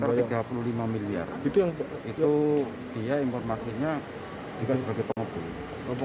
itu dia informasinya juga sebagai pengopun